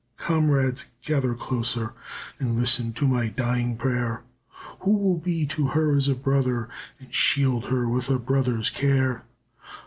"Comrades, gather closer And listen to my dying prayer. Who will be to her as a brother, And shield her with a brother's care?"